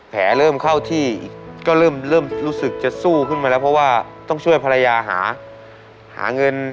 เริ่มเข้าที่อีกก็เริ่มรู้สึกจะสู้ขึ้นมาแล้วเพราะว่าต้องช่วยภรรยาหาเงิน